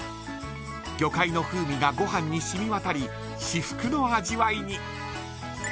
魚介の風味がご飯に染み渡り至福の味わいに。